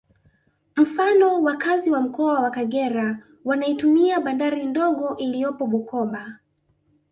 Mfano wakazi wa Mkoa Kagera wanaitumia bandari ndogo iliyopo Bukoba